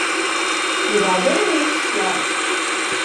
I radeju izslēgt?